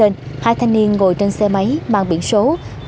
nhìn ngồi trên xe máy mang biển số